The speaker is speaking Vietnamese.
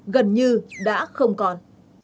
gần như đã không còn